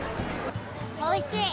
おいしい。